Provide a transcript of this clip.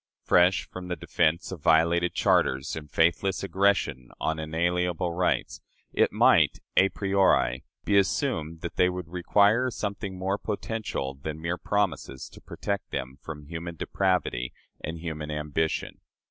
Fresh from the defense of violated charters and faithless aggression on inalienable rights, it might, a priori, be assumed that they would require something more potential than mere promises to protect them from human depravity and human ambition.